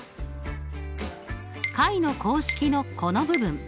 解の公式のこの部分。